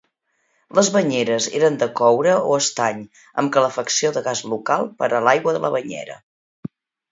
Les banyeres eren de coure o estany, amb calefacció de gas local per a l'aigua de la banyera.